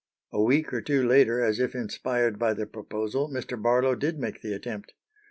A week or two later, as if inspired by the proposal, Mr. Barlow did make the attempt.